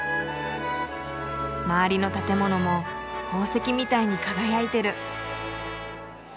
周りの建物も宝石みたいに輝いてる。